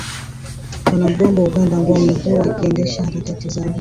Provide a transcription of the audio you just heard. wanamgambo wa Uganda ambao wamekuwa wakiendesha harakati zao